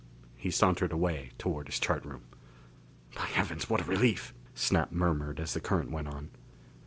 He sauntered away toward his chart room. "By heavens, what a relief!" Snap murmured as the current went on.